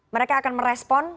mereka akan merespon